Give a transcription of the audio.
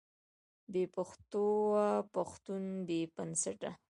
بې پښتوه پښتون بې بنسټه دی.